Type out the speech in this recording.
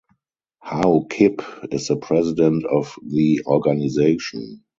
Haokip is the president of the organisation.